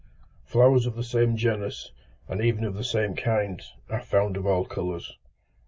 Flowers of the same genus, and even of the same kind, are found of all colours.